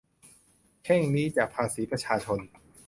แข้งนี้จากภาษีประชาชน